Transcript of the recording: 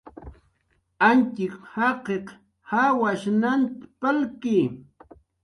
Antxiq jaqiq jawash nant palki